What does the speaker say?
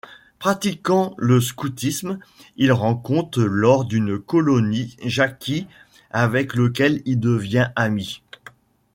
Pratiquant le scoutisme, il rencontre lors d'une colonie Jacky avec lequel il devient ami.